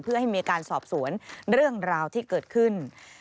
เพื่อให้มีการสอบสวนเรื่องราวที่เกิดขึ้น